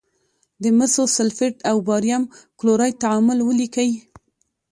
د مسو سلفیټ او باریم کلورایډ تعامل ولیکئ.